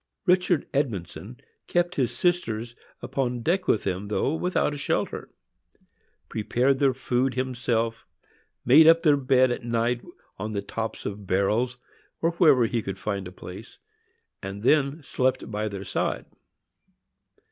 Richard Edmondson kept his sisters upon deck with him, though without a shelter; prepared their food himself, made up their bed at night on the top of barrels, or wherever he could find a place, and then slept by their side.